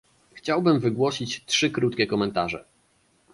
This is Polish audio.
Chciałbym wygłosić trzy krótkie komentarze